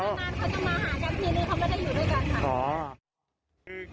นานเขาจะมาหากันทีนึงเขาไม่ได้อยู่ด้วยกันค่ะ